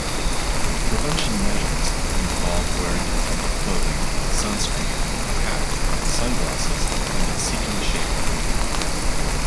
Prevention measures involve wearing protective clothing, sunscreen, a hat, sunglasses, and seeking shade.